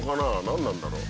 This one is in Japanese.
何なんだろう？